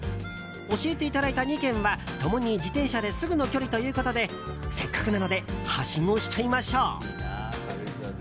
教えていただいた２軒は共に自転車ですぐの距離ということでせっかくなのではしごしちゃいましょう！